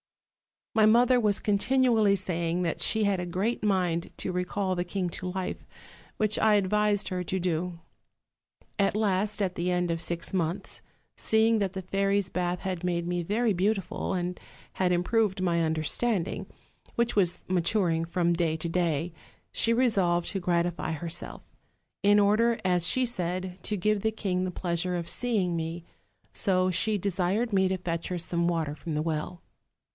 "My mother was continually saying that she had a great mind to recall the king to life, which I advised her to do. At last, at the end of six months, seeing that the fairies' bath had made me very beautiful, and had im proved my understanding, which was maturing from day to day, she resolved to gratify herself; in order, as she said, to give the king the pleasure of seeing me: so she desired me to fetch her some water from the well.